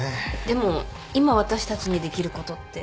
でも今私たちにできることって。